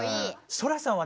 ソラさんはね